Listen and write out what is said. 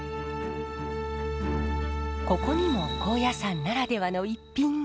ここにも高野山ならではの逸品が。